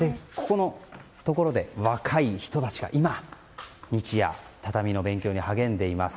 ここで若い人たちが今、日夜畳の勉強に励んでいます。